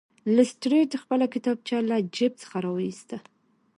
لیسټرډ خپله کتابچه له جیب څخه راویسته.